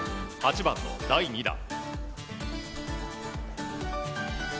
８番の第２打。